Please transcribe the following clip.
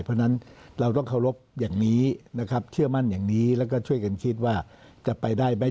เพราะฉะนั้นเราต้องเคารพอย่างนี้นะครับเชื่อมั่นอย่างนี้แล้วก็ช่วยกันคิดว่าจะไปได้ไหม